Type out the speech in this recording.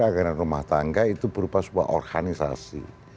anggaran rumah tangga itu berupa sebuah organisasi